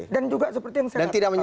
dan juga seperti yang saya katakan